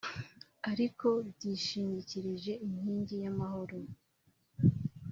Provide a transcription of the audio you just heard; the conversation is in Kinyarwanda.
ariko byishingikirije inkingi y’amahoro